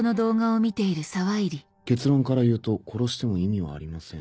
「結論から言うと殺しても意味はありません。